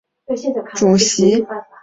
她曾先后担任该组织的署理主席。